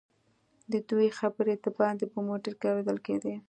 ددوئ خبرې دباندې په موټر کې اورېدل کېدې.